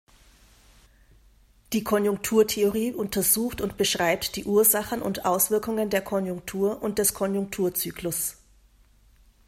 Die Konjunkturtheorie untersucht und beschreibt die Ursachen und Auswirkungen der Konjunktur und des Konjunkturzyklus.